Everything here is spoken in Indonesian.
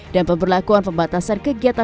dan pemberlakuan pembatasan kegiatan kegiatan